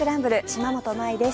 島本真衣です。